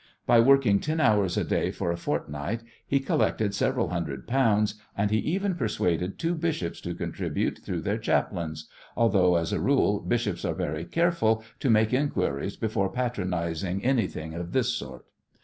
By working ten hours a day for a fortnight he collected several hundred pounds, and he even persuaded two bishops to contribute through their chaplains, although as a rule bishops are very careful to make inquiries before patronizing anything of this sort.